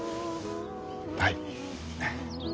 はい。